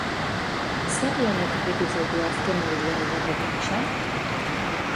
Zer lanek harritu zaitu azkenaldian, irakurle gisa?